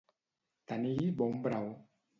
Tenir bon braó.